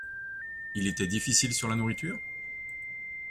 Il était difficile sur la nourriture ?